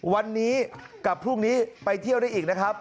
วันนี้กับพรุ่งนี้ไปเที่ยวได้อีกนะครับ